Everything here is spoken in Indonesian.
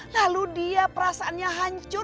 lalu dia perasaannya hancur